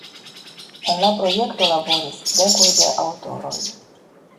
En la projekto laboris dekoj de aŭtoroj.